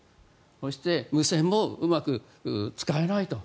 そして無線もうまく使えないと。